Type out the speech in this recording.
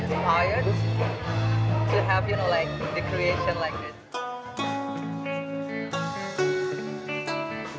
untuk memiliki kreasi seperti ini